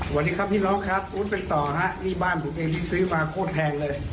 สวัสดีครับพี่น้องครับอู๊ดเป็นต่อฮะนี่บ้านผมเองนี่ซื้อมาโคตรแพงเลย